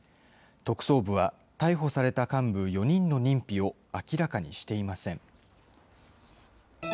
特捜部は、逮捕された幹部４人の認否を明らかにしていません。